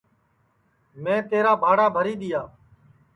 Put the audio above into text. میں تیرا بھاڑا بھری دؔیا